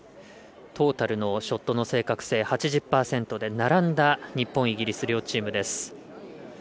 トータルのショットの正確性８０％で日本、イギリス、両チームです。